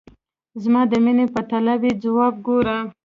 زما د میني په طلب یې ځواب ګوره !